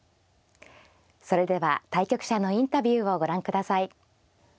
それでは対局者のインタビューをご覧ください。